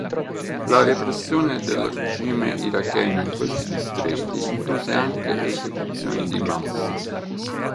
La repressione del regime iracheno in questi distretti incluse anche esecuzioni di massa.